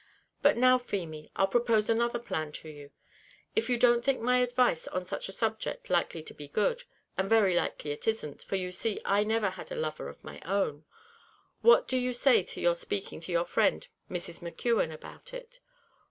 But now, Feemy, I'll propose another plan to you. If you don't think my advice on such a subject likely to be good and very likely it isn't, for you see I never had a lover of my own what do you say to your speaking to your friend, Mrs. McKeon, about it?